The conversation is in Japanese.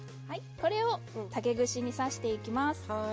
これを竹串に刺していきます。